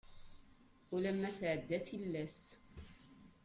Ulama tɛedda tillas.